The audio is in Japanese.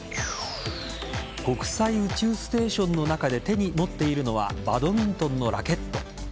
国際宇宙ステーションの中で手に持っているのはバドミントンのラケット。